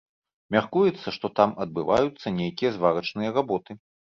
Мяркуецца, што там адбываюцца нейкія зварачныя работы.